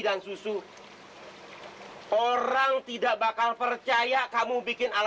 dan sudah bersa bareng